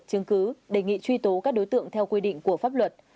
chứng cứ đề nghị truy tố các đối tượng theo quy định của pháp luật